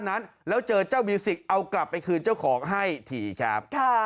คิดว่าแบบบางทีก็ร้อนก็ได้ยินเสียงเขา